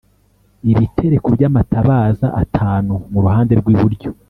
Ibitereko by’amatabaza atanu mu ruhande rw’iburyo